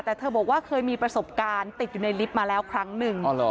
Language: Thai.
แต่เธอบอกว่าเคยมีประสบการณ์ติดอยู่ในลิฟต์มาแล้วครั้งหนึ่ง